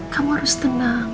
kamu harus tenang